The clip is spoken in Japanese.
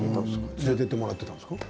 連れて行ってもらっていたんですか？